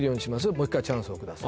「もう一回チャンスを下さい」